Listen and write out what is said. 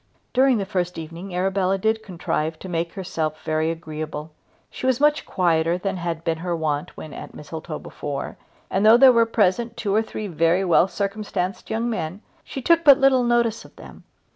During the first evening Arabella did contrive to make herself very agreeable. She was much quieter than had been her wont when at Mistletoe before, and though there were present two or three very well circumstanced young men she took but little notice of them.